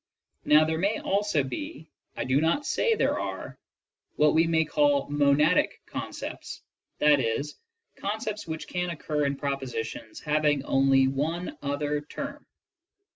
Now there may also be ŌĆö ^I do not say there are ŌĆö ^what we may call monadic concepts, i. e., concepts which can occur in propositions having only one other term.